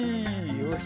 よし。